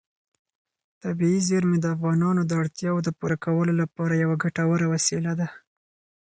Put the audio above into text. طبیعي زیرمې د افغانانو د اړتیاوو د پوره کولو لپاره یوه ګټوره وسیله ده.